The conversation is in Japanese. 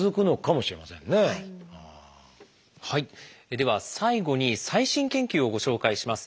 では最後に最新研究をご紹介します。